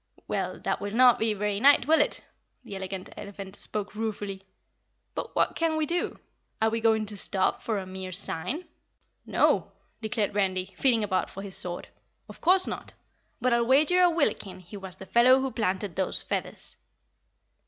"Well, that will not be very 'nite,' will it?" The Elegant Elephant spoke ruefully. "But what can we do? Are we going to stop for a mere sign?" "No!" declared Randy, feeling about for his sword. "Of course not. But I'll wager a Willikin he was the fellow who planted those feathers."